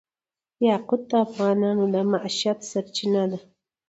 یاقوت د افغانانو د معیشت سرچینه ده.